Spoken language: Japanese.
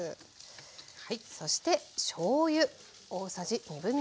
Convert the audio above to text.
そしてしょうゆ。